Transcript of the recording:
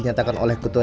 dpr ri puan maharani